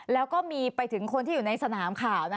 แล้วก็มีไปถึงคนที่อยู่ในสนามข่าว